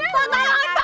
pak tolongin mau jatah